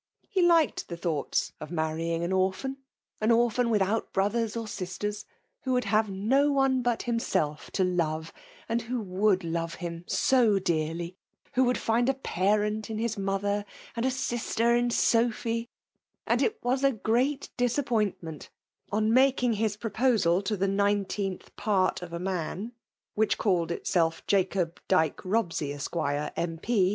He liked the thouglits of marrying an orphan* — an orphan without brothers or sisters ; who would have no one but himself to love, and who would love him so dearly ; who would find a parent in his mother, and a sister in Sophy ; and it was a g^eat disappointment, on makixig his proposal to the nineteenth part of a man which called itself Jacob Dyke Bobsey, Eaq., Jil.P.